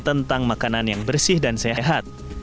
tentang makanan yang bersih dan sehat